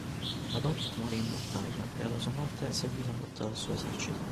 Adolfo morì in battaglia, e alla sua morte seguì la rotta del suo esercito.